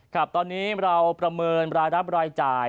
ครับตอนนี้เราประเมินรายรับรายจ่าย